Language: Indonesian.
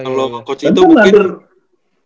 kalau coach itu mungkin